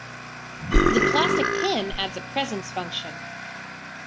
The plastic pin adds a presence function.